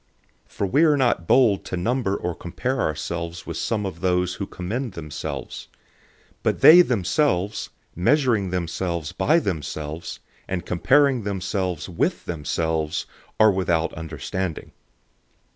010:012 For we are not bold to number or compare ourselves with some of those who commend themselves. But they themselves, measuring themselves by themselves, and comparing themselves with themselves, are without understanding.